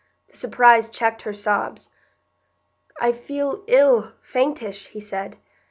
The surprise checked her sobs. "I feel ill—faintish," he said.